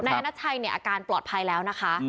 ธนัชชัยเนี่ยอาการปลอดภัยแล้วนะคะ